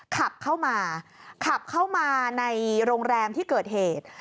ขับเข้ามาขับเข้ามาในโรงแรมที่เกิดเหตุ